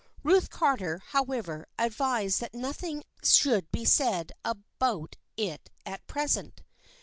Ruth Carter, however, advised that nothing should be said about it at present.